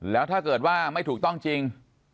แล้วถ้าเกิดว่าไม่ถูกต้องจริง